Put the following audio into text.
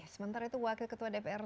sementara itu wakil ketua dpr